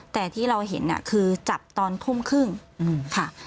แต่ที่เราเห็นคือจับตอนทุ่มครึ่งค่ะ